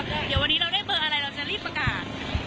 เดี๋ยววันนี้เราได้เบอร์อะไรเราจะรีบประกาศ